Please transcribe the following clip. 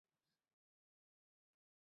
壬酸铵是具有溶解性的。